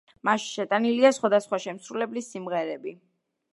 მასში შეტანილია სხვადასხვა შემსრულებლის სიმღერები.